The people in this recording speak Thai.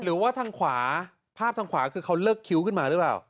หรือว่าทางขวาภาพทางขวาคือเขาเลิกคิ้วขึ้นมาหรือเปล่า